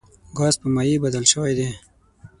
ګاز په مایع بدل شوی دی.